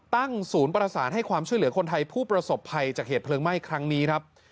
ตั้งศูนย์ประสานให้ความช่วยเหลือคนไทยผู้ประสบภัยจากเหตุเพลิงไหม้ครั้งนี้ครับ